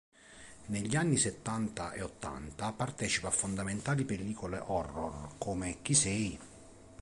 Negli anni settanta e ottanta partecipa a fondamentali pellicole horror come "Chi sei?